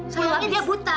sayangnya dia buta